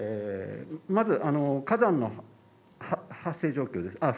火山の発生状況です